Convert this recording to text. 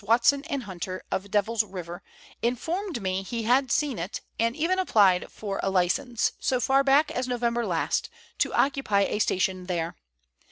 Watson and Hunter, of Devil's River, informed me he had seen it, and even applied for a license, so far back as November last, to occupy a station there.